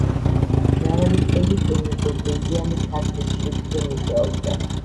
მრავალი წელი ბენო გორდეზიანი ქართულ შრიფტზე მუშაობდა.